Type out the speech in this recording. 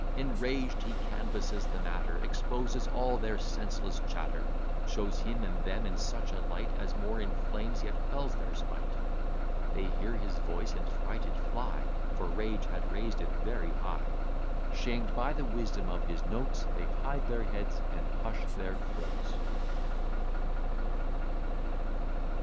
Enraged he canvasses the matter, Exposes all their senseless chatter, Shows him and them in such a light, As more inflames, yet quells their spite. They hear his voice, and frighted fly, For rage had raised it very high: Shamed by the wisdom of his notes, They hide their heads, and hush their throats.